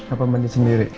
apa mandi sendiri